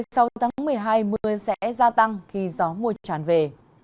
sau tháng một mươi hai mưa sẽ gia tăng khi gió mùa tràn về